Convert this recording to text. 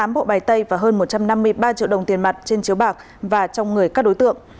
tám bộ bài tay và hơn một trăm năm mươi ba triệu đồng tiền mặt trên chiếu bạc và trong người các đối tượng